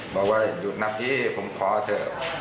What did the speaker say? บอกว่าหยุดนะพี่ผมขอเถอะ